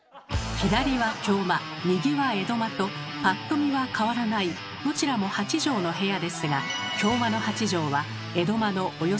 左は京間右は江戸間とぱっと見は変わらないどちらも８畳の部屋ですが京間の８畳は江戸間のおよそ９．４畳分もあり